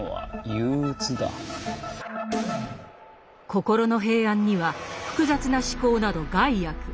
心の平安には複雑な思考など害悪。